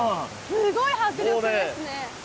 すごい迫力ですね。